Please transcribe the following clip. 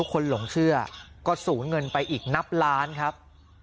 เขาก็ขอโทษแล้วขอโทษ